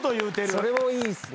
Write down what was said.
それもいいっすね。